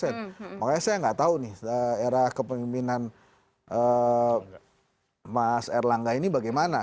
tidak tahu nih era kepemimpinan mas erlangga ini bagaimana